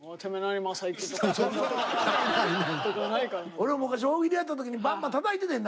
俺も昔大喜利やった時にバンバンたたいててんな。